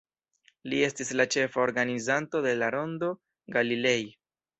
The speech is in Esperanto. Li estis la ĉefa organizanto de la Rondo Galilei.